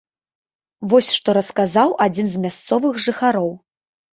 Вось што расказаў адзін з мясцовых жыхароў.